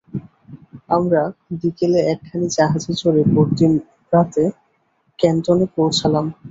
আমরা বিকেলে একখানি জাহাজে চড়ে পরদিন প্রাতে ক্যাণ্টনে পৌঁছলাম।